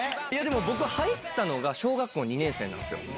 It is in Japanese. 僕入ったのが、小学校２年生なんですよ。